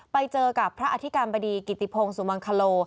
ไปเจอกับพระอธิกรรมบดีกิติพงศุมังคโล